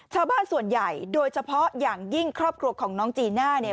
ชาวบ้านส่วนใหญ่โดยเฉพาะอย่างยิ่งครอบครัวของน้องจีน่าเนี่ย